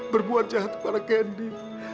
berbuat jahat kepada candy